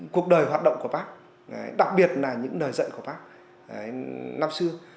cuộc đời hoạt động của bác đặc biệt là những lời dạy của bác năm xưa